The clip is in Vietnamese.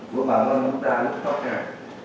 của bà con chúng ta lúc tối tràn